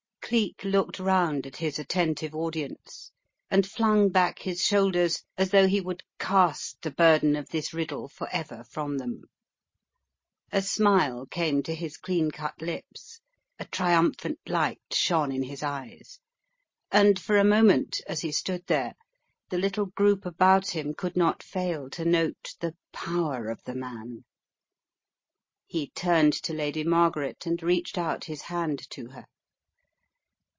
Geek looked round at his attentive audience and flung back his shoulders as though he would cast the burden of this riddle forever from them. A smile came to his clean cut lips, a triumphant light shone in his eyes, and for a moment, as he stood there, the little group about him could not fail to note the power of the man. He turned to Lady Margaret and reached out his hand to her.